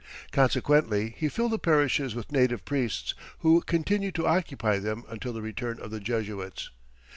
Consequently, he filled the parishes with native priests, who continued to occupy them until the return of the Jesuits.